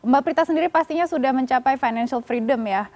mbak prita sendiri pastinya sudah mencapai financial freedom ya